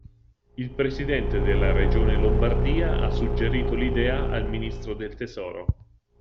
Il presidente della regione Lombardia ha suggerito l'idea al Ministro del tesoro.